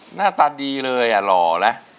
หน้าตาดีเลยหล่อแล้ว